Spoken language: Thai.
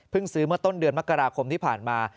ซื้อเมื่อต้นเดือนมกราคมที่ผ่านมา